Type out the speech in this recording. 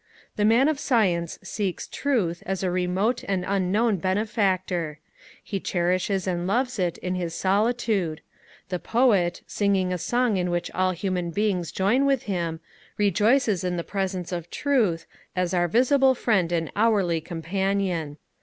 The Man of science seeks truth as a remote and unknown benefactor; he cherishes and loves it in his solitude: the Poet, singing a song in which all human beings join with him, rejoices in the presence of truth as our visible friend and hourly companion.